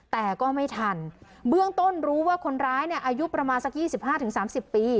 แต่ก็ไม่ทันเบื้องต้นรู้ว่าคนร้ายเนี่ยอายุประมาณสักยี่สิบห้าถึงสามสิบปี